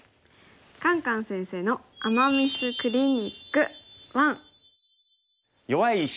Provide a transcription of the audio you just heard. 「カンカン先生の“アマ・ミス”クリニック１」。